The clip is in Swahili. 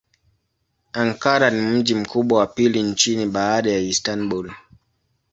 Ankara ni mji mkubwa wa pili nchini baada ya Istanbul.